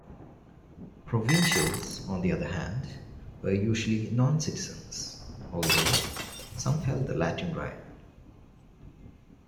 Provincials, on the other hand, were usually non-citizens, although some held the Latin Right.